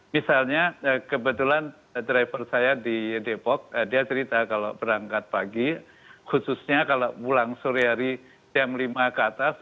misalnya kebetulan driver saya di depok dia cerita kalau berangkat pagi khususnya kalau pulang sore hari jam lima ke atas